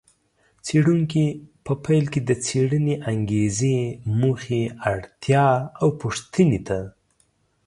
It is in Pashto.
څېړونکي په پیل کې د څېړنې انګېزې، موخې، اړتیا او پوښتنې ته